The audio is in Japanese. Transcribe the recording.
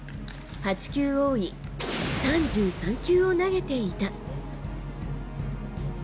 ８球多い、３３球を投げていた。